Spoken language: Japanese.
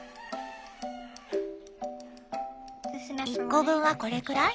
１個分はこれくらい？